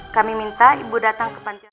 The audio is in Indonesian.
kami minta ibu datang ke pancasila